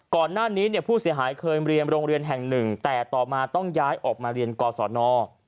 ก่อนหน้านี้เนี่ยผู้เสียหายเคยเรียนโรงเรียนแห่งหนึ่งแต่ต่อมาต้องย้ายออกมาเรียนกศน